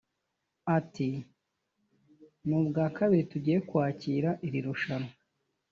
Ati "Ni ubwa kabiri tugiye kwakira iri rushanwa